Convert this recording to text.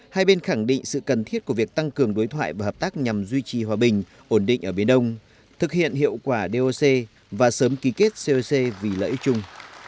hai bên khẳng định sự cần thiết của việc tăng cường đối thoại và hợp tác nhằm duy trì hòa bình ổn định ở biển đông thực hiện hiệu quả doc và sớm ký kết coc vì lợi ích chung